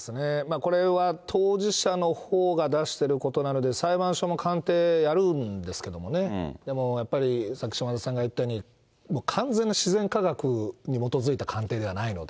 これは、当事者のほうが出してることなので、裁判所の鑑定やるんですけどね、でもやっぱり、さっき島田さんが言ったように、完全な自然科学に基づいた鑑定ではないので。